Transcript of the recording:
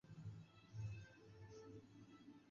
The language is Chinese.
赴中国传教。